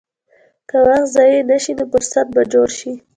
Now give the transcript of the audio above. که وخت ضایع نه شي، نو فرصت به جوړ شي.